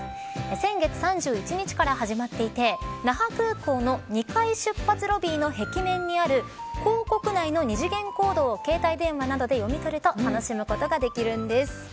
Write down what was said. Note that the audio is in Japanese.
先月３１日から始まっていて那覇空港の２階出発ロビーの壁面にある広告内の二次元コードを携帯電話などで読み取ると楽しむことができます。